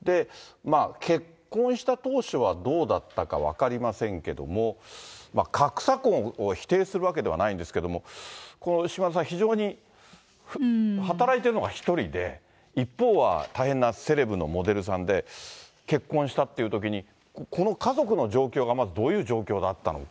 結婚した当初はどうだったか分かりませんけれども、格差婚を否定するわけではないんですけど、島田さん、非常に、働いているのが１人で、一方は大変なセレブのモデルさんで、結婚したっていうときに、この家族の状況がまずどういう状況だったのか。